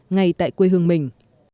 ngay tại quê hương mình